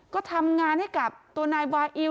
ก็ทำงานให้กับตัวนายวาอิว